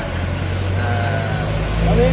พี่มีอะไรจะพูดกับเหตุการณ์ที่เกิดขึ้นไหมครับ